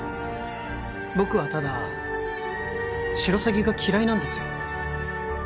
僕はただシロサギが嫌いなんですよ